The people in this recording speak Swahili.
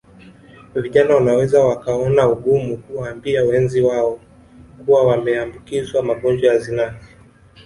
Vijana wanaweza wakaona ugumu kuwaambia wenzi wao kuwa wameambukizwa magonjwa ya zinaa